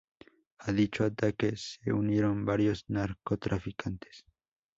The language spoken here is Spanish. A dicho ataque se unieron varios narcotraficantes.